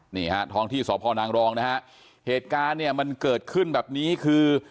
นี่ฮะท้องที่สพนางรองนะฮะเหตุการณ์เนี่ยมันเกิดขึ้นแบบนี้คือ